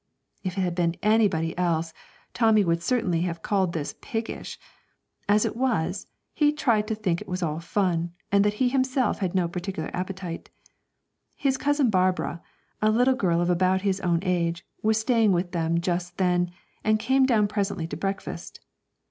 If it had been anybody else, Tommy would certainly have called this 'piggish'; as it was, he tried to think it was all fun, and that he himself had no particular appetite. His cousin Barbara, a little girl of about his own age, was staying with them just then, and came down presently to breakfast.